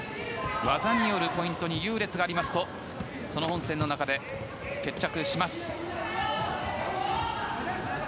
技によるポイントに優劣がありますとその本戦の中で決着します。